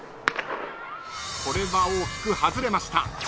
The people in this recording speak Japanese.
［これは大きく外れました］